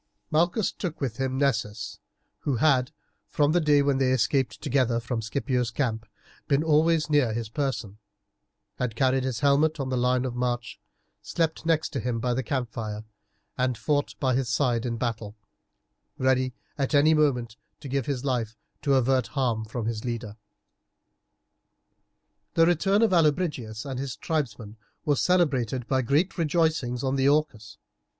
Malchus took with him Nessus, who had, from the day when they escaped together from Scipio's camp, been always near his person, had carried his helmet on the line of march, slept next to him by the campfire, and fought by his side in battle, ready at any moment to give his life to avert harm from his leader. The return of Allobrigius and his tribesmen was celebrated by great rejoicings on the Orcus.